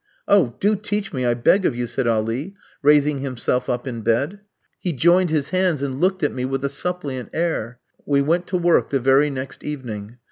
"Oh, do teach me, I beg of you," said Ali, raising himself up in bed; he joined his hands and looked at me with a suppliant air. We went to work the very next evening.